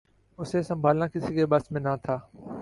اسے سنبھالنا کسی کے بس میں نہ تھا